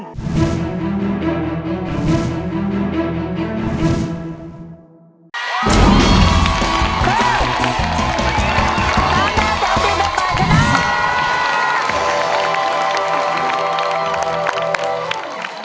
๓แนวแจวจิ้งที่๘ชนะ